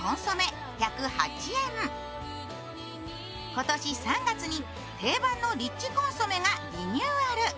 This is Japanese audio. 今年３月に定番のリッチコンソメがリニューアル。